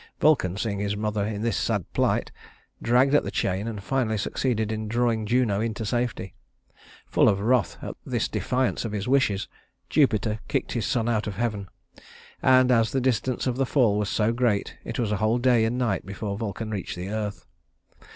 Vulcan, seeing his mother in this sad plight, dragged at the chain and finally succeeded in drawing Juno into safety. Full of wrath at this defiance of his wishes, Jupiter kicked his son out of heaven; and as the distance of the fall was so great, it was a whole day and night before Vulcan reached the earth.